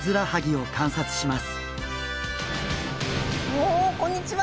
おおこんにちは。